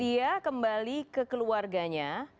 dia kembali ke keluarganya